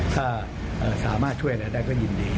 ถ้าสามารถช่วยอะไรได้ก็ยินดี